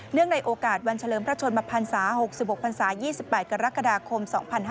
เนื่องในโอกาสวันเฉลิมพระชนมภาษา๖๖ภาษา๒๘กรกฎาคม๒๕๖๑